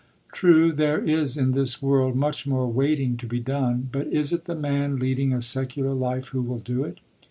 True, there is in this world much more waiting to be done; but is it the man leading a secular life who will do it?